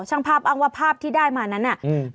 ช่างภาพอ้างว่าภาพที่ได้มานั้นน่ะอืม